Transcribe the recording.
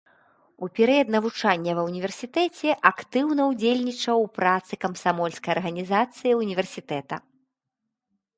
У перыяд навучання ва ўніверсітэце актыўна ўдзельнічаў у працы камсамольскай арганізацыі ўніверсітэта.